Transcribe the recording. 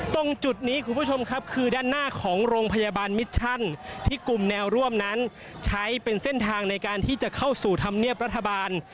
ตรงจุดนี้คุณผู้ชมครับคือด้านหน้าของโรงพยาบาลมิชชั่นที่กลุ่มแนวร่วมนั้นใช้เป็นเส้นทางในการที่จะเข้าสู่ธรรมเนียบรัฐบาล